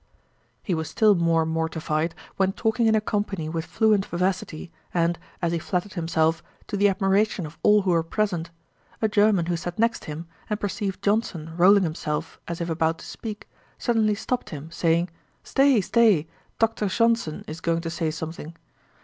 He was still more mortified, when talking in a company with fluent vivacity, and, as he flattered himself, to the admiration of all who were present; a German who sat next him, and perceived Johnson rolling himself, as if about to speak, suddenly stopped him, saying, 'Stay, stay, Toctor Shonson is going to say something.'